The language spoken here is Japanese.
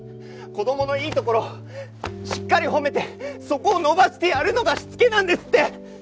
子供のいいところしっかり褒めてそこを伸ばしてやるのがしつけなんですって。